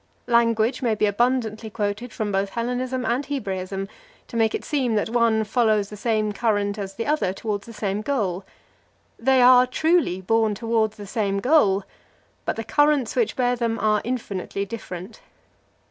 Language may be abundantly quoted from both Hellenism and Hebraism to make it seem that one follows the same current as the other towards the same goal. They are, truly, borne towards the same goal; but the currents which bear them are infinitely different.